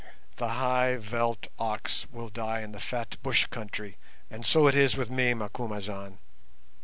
The high veldt ox will die in the fat bush country, and so is it with me, Macumazahn.